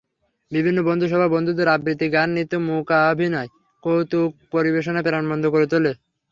বিভিন্ন বন্ধুসভার বন্ধুদের আবৃত্তি, গান, নৃত্য, মূকাভিনয়, কৌতুক পরিবেশনা প্রাণবন্ত করে তোলে।